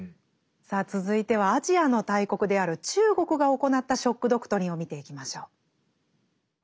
さあ続いてはアジアの大国である中国が行った「ショック・ドクトリン」を見ていきましょう。